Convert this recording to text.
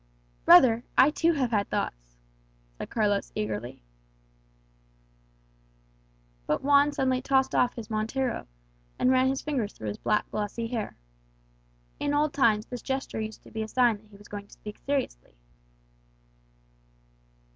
"Brother, I too have had thoughts," said Carlos eagerly. But Juan suddenly tossed off his montero, and ran his fingers through his black glossy hair. In old times this gesture used to be a sign that he was going to speak seriously.